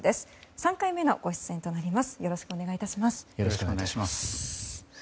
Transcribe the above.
３回目のご出演となります。